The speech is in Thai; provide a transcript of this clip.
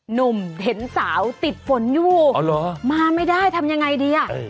หนุ่มเห็นสาวติดฝนอยู่มาไม่ได้ทำยังไงดีอ่ะ